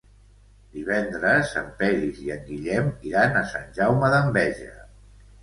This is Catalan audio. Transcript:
Divendres en Peris i en Guillem iran a Sant Jaume d'Enveja.